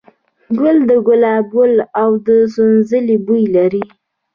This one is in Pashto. ګل د ګلاب او د سنځلې بوی لري.